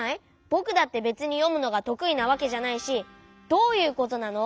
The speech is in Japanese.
ぼくだってべつによむのがとくいなわけじゃないしどういうことなの？